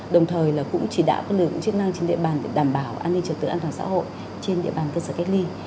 đồng thời cũng chỉ đạo các lực lượng chức năng trên địa bàn để đảm bảo an ninh trật tự an toàn xã hội trên địa bàn cơ sở cách ly